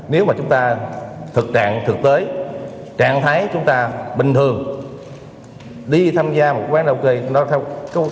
nếu mà chúng ta thực trạng thực tế trạng thái chúng ta bình thường đi tham gia một quán rau cây